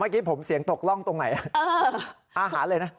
เมื่อกี้ผมเสียงตกร่องตรงไหนอาหารเลยนะ